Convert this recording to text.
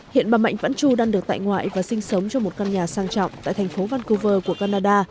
hiện bà mạnh vãn chu đang được tại ngoại và sinh sống trong một căn nhà sang trọng tại thành phố vancouver của canada